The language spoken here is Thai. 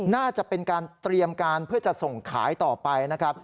น่าจะเป็นการเตรียมการเพื่อจะส่งขายต่อไปนะครับ